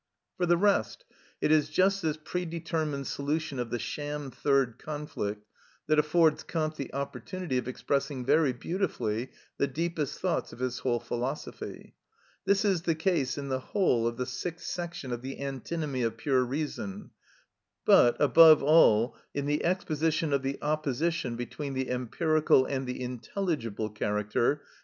For the rest, it is just this predetermined solution of the sham third conflict that affords Kant the opportunity of expressing very beautifully the deepest thoughts of his whole philosophy. This is the case in the whole of the "Sixth Section of the Antinomy of Pure Reason;" but, above all, in the exposition of the opposition between the empirical and the intelligible character, p.